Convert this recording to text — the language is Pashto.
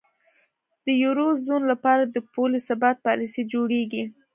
د یورو زون لپاره د پولي ثبات پالیسۍ جوړیږي.